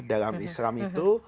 dalam islam itu